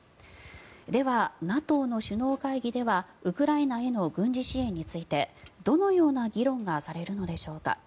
では、ＮＡＴＯの首脳会議ではウクライナへの軍事支援についてどのような議論がされるのでしょうか。